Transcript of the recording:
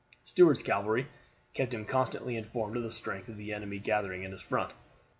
Stuart's cavalry kept him constantly informed of the strength of the enemy gathering in his front.